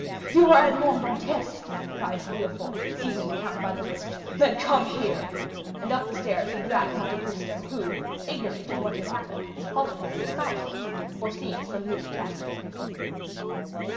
"You are Edmond Dantès," cried Villefort, seizing the count by the wrist; "then come here!" And up the stairs he dragged Monte Cristo; who, ignorant of what had happened, followed him in astonishment, foreseeing some new catastrophe.